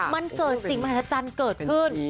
มันเกิดสิ่งพระธรรมเกิดขึ้น